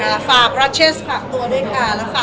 และฝากกดใจค่ะ